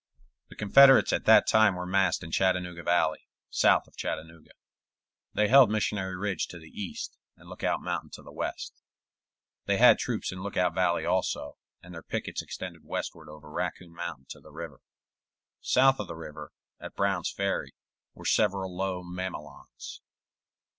The Confederates at that time were massed in Chattanooga Valley, south of Chattanooga. They held Missionary Ridge to the east, and Lookout Mountain to the west. They had troops in Lookout Valley also, and their pickets extended westward over Raccoon Mountain to the river. South of the river, at Brown's Ferry, were several low mamelons.